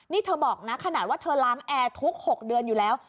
นี่เธอบอกนะขนาดว่าเธอล้างแอร์ทุก๖เดือนอยู่แล้ว